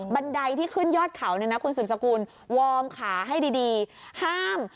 บันไดที่ขึ้นยอดเขาเนี่ยนะคุณสืบสกุลวอร์มขาให้ดีห้าม